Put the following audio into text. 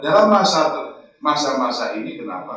dalam masa masa ini kenapa